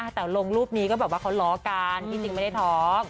แต่เอาเป็นว่าถ้าพร้อมเมื่อไรน้องบอกแน่นอน